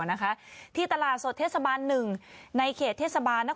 นะคะที่ตลาดสดเทศบาลหนึ่งในเขตเทศบาลนคร